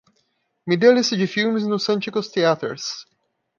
Me dê a lista de filmes no Santikos Theatres